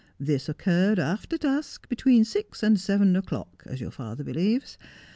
This occurred after dusk, between six and seven o'clock, as your father believes.